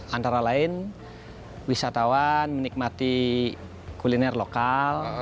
antara lain wisatawan menikmati kuliner lokal